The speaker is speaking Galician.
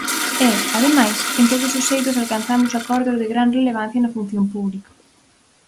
E, ademais, en todos os eidos alcanzamos acordos de gran relevancia na función pública.